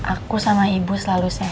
aku sama ibu selalu sehat